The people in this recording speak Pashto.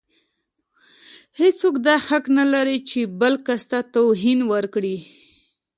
هيڅوک دا حق نه لري چې بل کس ته توهين وکړي.